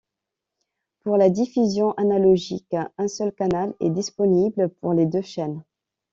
Pour la diffusion analogique, un seul canal est disponible pour les deux chaînes.